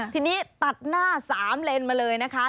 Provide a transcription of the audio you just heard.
ทีนี้ตัดหน้า๓เลนมาเลยนะคะ